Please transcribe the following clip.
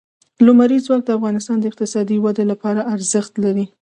لمریز ځواک د افغانستان د اقتصادي ودې لپاره ارزښت لري.